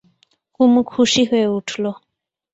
কুমু খুশি হয়ে উঠল।